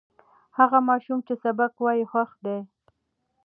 هغه ماشوم چې سبق وایي، خوښ دی.